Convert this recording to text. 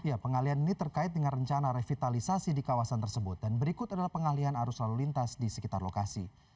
ya pengalian ini terkait dengan rencana revitalisasi di kawasan tersebut dan berikut adalah pengalian arus lalu lintas di sekitar lokasi